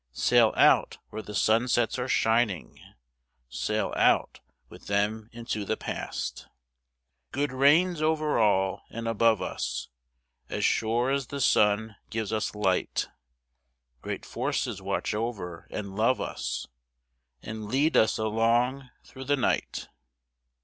Sail out where the sunsets are shining, Sail out with them into the past. Good reigns over all; and above us, As sure as the sun gives us light, Great forces watch over and love us, And lead us along through the night.